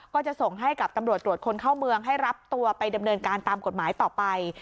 ก็จะส่งให้กับตำรวจตรวจคนเข้าเมืองให้รับตัวไปดำเนินการตามกฎหมายต่อไป